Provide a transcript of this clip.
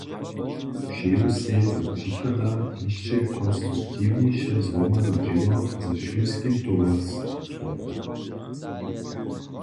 Přeju sej do přichoda hišće konstruktiwniše zhromadne dźěło ze Šulskim towarstwom.